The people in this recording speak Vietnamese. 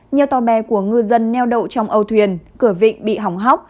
nhiều tàu bè của ngư dân neo đậu trong âu thuyền cửa vịnh bị hỏng hóc